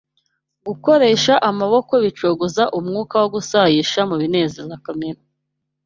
Gukoresha amaboko bicogoza umwuka wo gusayisha mu binezeza kamere